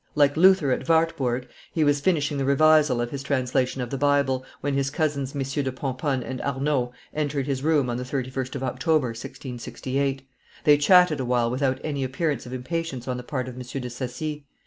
Like Luther at Wartburg, he was finishing the revisal of his translation of the Bible, when his cousins, MM. de Pomponne and Arnauld, entered his room on the 31st of October, 1668. They chatted a while without any appearance of impatience on the part of M. de Saci.